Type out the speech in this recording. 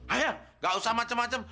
ayo nggak usah macem macem